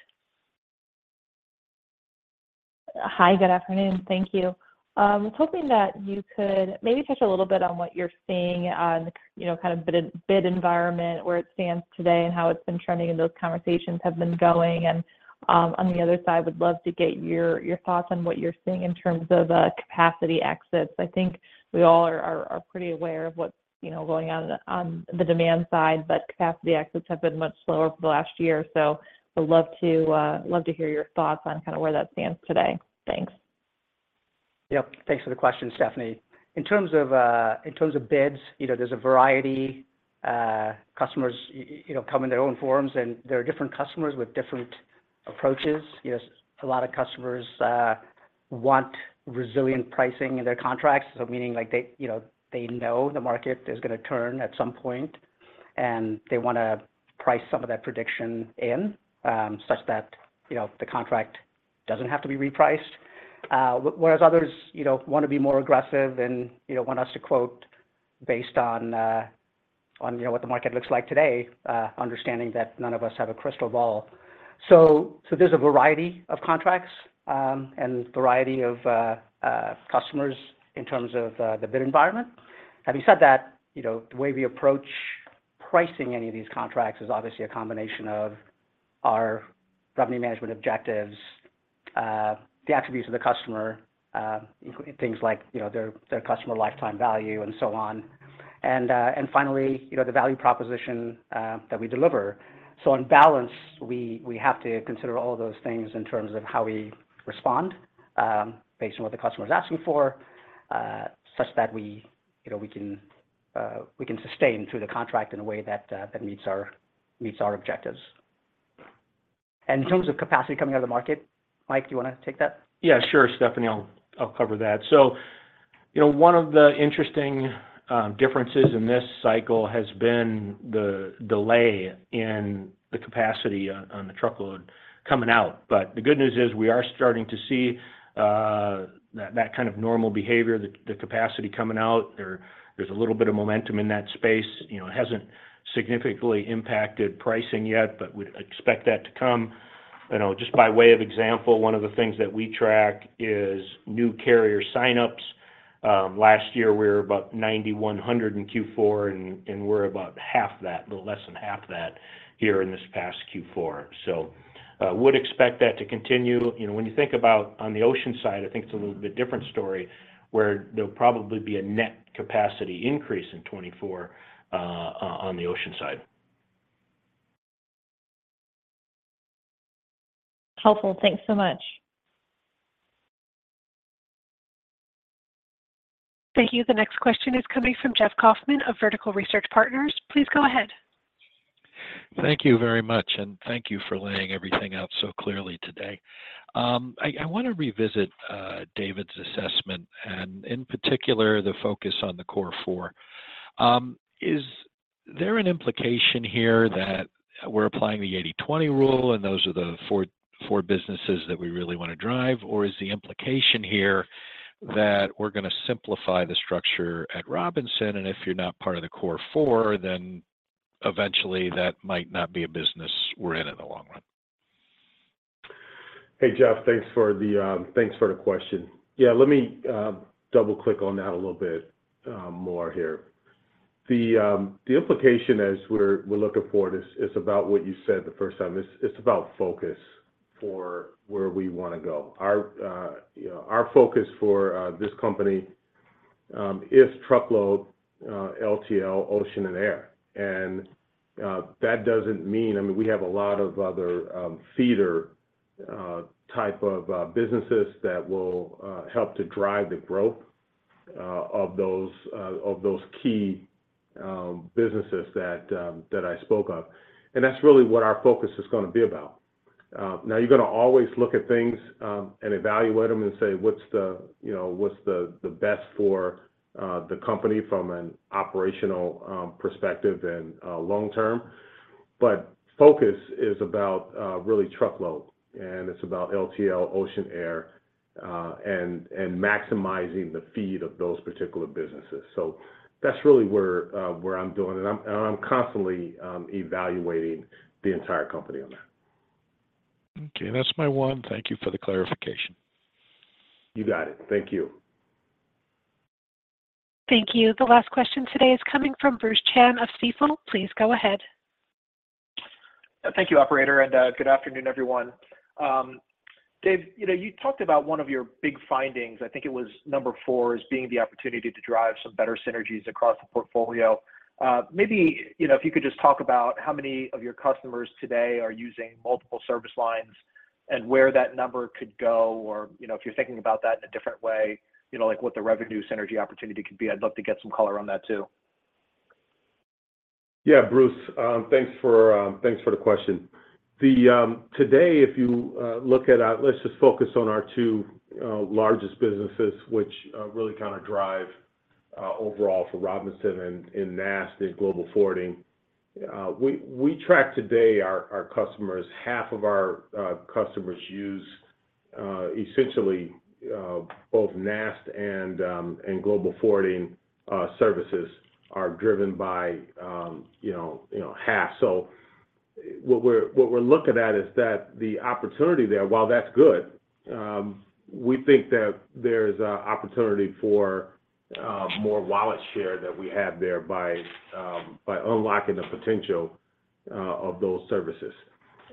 [SPEAKER 10] Hi, good afternoon. Thank you. Was hoping that you could maybe touch a little bit on what you're seeing on, you know, kind of bid, bid environment, where it stands today, and how it's been trending, and those conversations have been going. And, on the other side, would love to get your, your thoughts on what you're seeing in terms of capacity exits. I think we all are pretty aware of what's, you know, going on on the demand side, but capacity exits have been much slower for the last year, so would love to love to hear your thoughts on kind of where that stands today. Thanks.
[SPEAKER 4] Yep. Thanks for the question, Stephanie. In terms of, in terms of bids, you know, there's a variety. Customers, you know, come in their own forms, and there are different customers with different approaches. Yes, a lot of customers want resilient pricing in their contracts. So meaning like they, you know, they know the market is going to turn at some point, and they want to price some of that prediction in, such that, you know, the contract doesn't have to be repriced. Whereas others, you know, want to be more aggressive and, you know, want us to quote based on, on, you know, what the market looks like today, understanding that none of us have a crystal ball. So there's a variety of contracts, and variety of, customers in terms of, the bid environment. Having said that, you know, the way we approach pricing any of these contracts is obviously a combination of our revenue management objectives, the attributes of the customer, including things like, you know, their, their customer lifetime value, and so on. And, and finally, you know, the value proposition that we deliver. So in balance, we, we have to consider all of those things in terms of how we respond, based on what the customer is asking for, such that we, you know, we can, we can sustain through the contract in a way that, that meets our, meets our objectives. And in terms of capacity coming out of the market, Mike, do you want to take that?
[SPEAKER 5] Yeah, sure, Stephanie. I'll cover that. So, you know, one of the interesting differences in this cycle has been the delay in the capacity on the truckload coming out. But the good news is we are starting to see that kind of normal behavior, the capacity coming out. There's a little bit of momentum in that space. You know, it hasn't significantly impacted pricing yet, but we'd expect that to come. You know, just by way of example, one of the things that we track is new carrier sign-ups. Last year we were about 9,100 in Q4, and we're about half that, little less than half that, here in this past Q4. So, would expect that to continue. You know, when you think about on the ocean side, I think it's a little bit different story, where there'll probably be a net capacity increase in 2024, on the ocean side.
[SPEAKER 10] Helpful. Thanks so much.
[SPEAKER 1] Thank you. The next question is coming from Jeff Kauffman of Vertical Research Partners. Please go ahead.
[SPEAKER 11] Thank you very much, and thank you for laying everything out so clearly today. I want to revisit David's assessment, and in particular, the focus on the Core 4. Is there an implication here that we're applying the 80/20 rule, and those are the four businesses that we really want to drive? Or is the implication here that we're going to simplify the structure at Robinson, and if you're not part of the Core 4, then eventually that might not be a business we're in, in the long run?
[SPEAKER 3] Hey, Jeff, thanks for the question. Let me double-click on that a little bit more here. The implication as we're looking forward is about what you said the first time. It's about focus for where we want to go. Our, you know, our focus for this company is truckload, LTL, ocean, and air. And that doesn't mean. I mean, we have a lot of other feeder type of businesses that will help to drive the growth of those of those key businesses that that I spoke of. And that's really what our focus is gonna be about. Now you're gonna always look at things and evaluate them and say, what's the, you know, what's the best for the company from an operational perspective and long term? But focus is about really truckload, and it's about LTL, ocean, air, and maximizing the feed of those particular businesses. So that's really where I'm doing, and I'm constantly evaluating the entire company on that.
[SPEAKER 11] Okay, that's my one. Thank you for the clarification.
[SPEAKER 3] You got it. Thank you.
[SPEAKER 1] Thank you. The last question today is coming from Bruce Chan of Stifel. Please go ahead.
[SPEAKER 12] Thank you, operator, and, good afternoon, everyone. Dave, you know, you talked about one of your big findings, I think it was number four, as being the opportunity to drive some better synergies across the portfolio. Maybe, you know, if you could just talk about how many of your customers today are using multiple service lines and where that number could go, or, you know, if you're thinking about that in a different way, you know, like, what the revenue synergy opportunity could be. I'd love to get some color on that too.
[SPEAKER 3] Yeah, Bruce, thanks for the question. Today, if you look at our, Let's just focus on our two largest businesses, which really kind of drive overall for Robinson and in NAST and Global Forwarding. We track today our customers, half of our customers use essentially both NAST and Global Forwarding services are driven by, you know, you know, half. So what we're looking at is that the opportunity there, while that's good, we think that there's an opportunity for more wallet share that we have there by unlocking the potential of those services.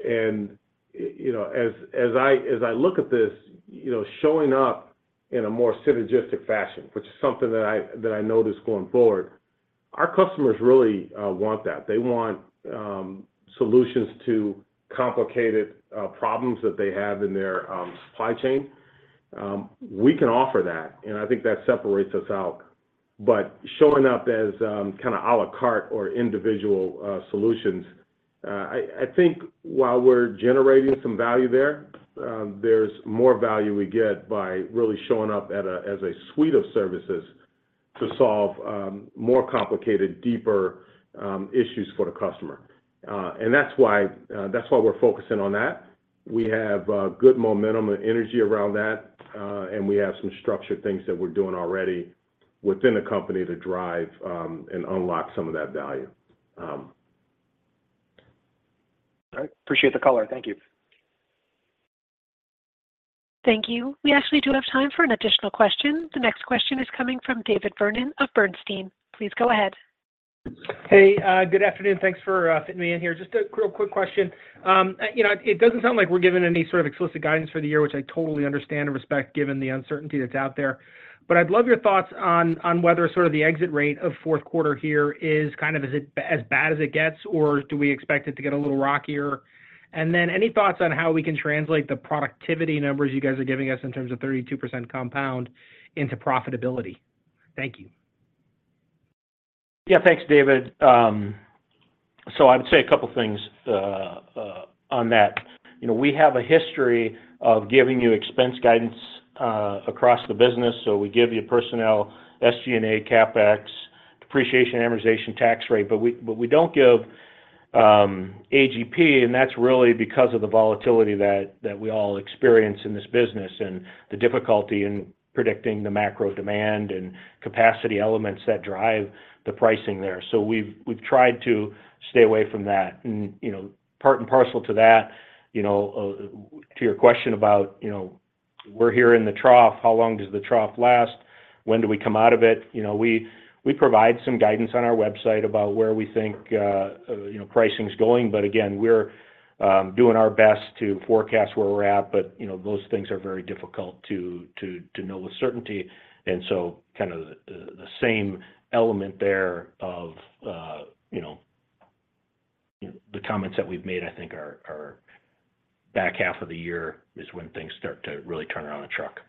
[SPEAKER 3] You know, as I look at this, you know, showing up in a more synergistic fashion, which is something that I notice going forward, our customers really want that. They want solutions to complicated problems that they have in their supply chain. We can offer that, and I think that separates us out. But showing up as kind of à la carte or individual solutions, I think while we're generating some value there, there's more value we get by really showing up as a suite of services to solve more complicated, deeper issues for the customer. And that's why we're focusing on that. We have good momentum and energy around that, and we have some structured things that we're doing already within the company to drive and unlock some of that value.
[SPEAKER 12] All right. Appreciate the color. Thank you.
[SPEAKER 1] Thank you. We actually do have time for an additional question. The next question is coming from David Vernon of Bernstein. Please go ahead.
[SPEAKER 13] Hey, good afternoon. Thanks for fitting me in here. Just a real quick question. You know, it doesn't sound like we're giving any sort of explicit guidance for the year, which I totally understand and respect, given the uncertainty that's out there. But I'd love your thoughts on, on whether sort of the exit rate of fourth quarter here is kind of, is it, as bad as it gets, or do we expect it to get a little rockier? And then any thoughts on how we can translate the productivity numbers you guys are giving us in terms of 32% compound into profitability? Thank you.
[SPEAKER 3] Yeah, thanks, David. So I would say a couple of things on that. You know, we have a history of giving you expense guidance across the business. So we give you personnel, SG&A, CapEx, depreciation, amortization, tax rate, but we, but we don't give AGP, and that's really because of the volatility that we all experience in this business and the difficulty in predicting the macro demand and capacity elements that drive the pricing there. So we've tried to stay away from that. And, you know, part and parcel to that, you know, to your question about, you know, we're here in the trough, how long does the trough last? When do we come out of it? You know, we provide some guidance on our website about where we think, you know, pricing is going, but again, we're doing our best to forecast where we're at, but, you know, those things are very difficult to know with certainty. And so kind of the same element there of, you know, the comments that we've made, I think, are back half of the year is when things start to really turn around the truck.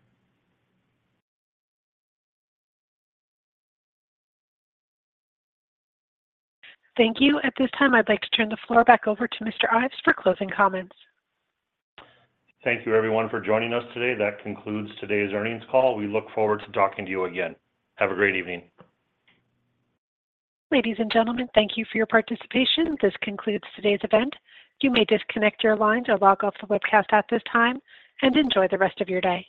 [SPEAKER 1] Thank you. At this time, I'd like to turn the floor back over to Mr. Ives for closing comments.
[SPEAKER 2] Thank you, everyone, for joining us today. That concludes today's earnings call. We look forward to talking to you again. Have a great evening.
[SPEAKER 1] Ladies and gentlemen, thank you for your participation. This concludes today's event. You may disconnect your line or log off the webcast at this time, and enjoy the rest of your day.